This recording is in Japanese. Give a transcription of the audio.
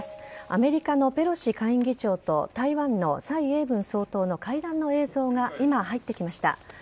アメリカのペロシ下院議長と台湾の蔡英文総統の会談の映像が今、入ってきました。